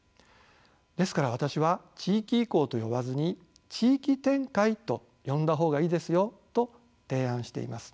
ですから私は地域移行と呼ばずに地域展開と呼んだ方がいいですよと提案しています。